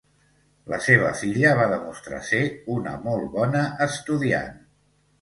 La seva filla va demostrar ser una molt bona estudiant.